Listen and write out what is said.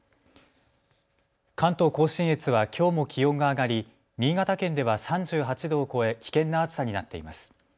関東甲信越はきょうも気温が上がり新潟県では３８度を超え危険な暑さになっています。